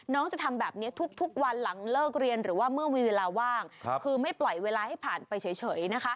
จะทำแบบนี้ทุกวันหลังเลิกเรียนหรือว่าเมื่อมีเวลาว่างคือไม่ปล่อยเวลาให้ผ่านไปเฉยนะคะ